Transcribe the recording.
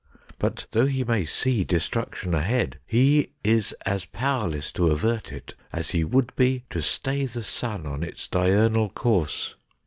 But though he may see destruction ahead, he is as powerless to avert it as he would be to stay the sun on its diurnal course.